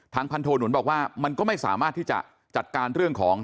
พันโทหนุนบอกว่ามันก็ไม่สามารถที่จะจัดการเรื่องของ